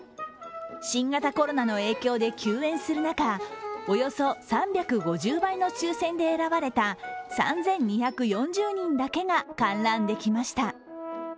新型コロナの影響で休園する中、およそ３５０倍の抽選で選ばれた３２４０人だけが観覧できました。